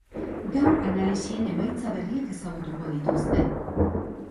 Gaur analisien emaitza berriak ezagutuko dituzte.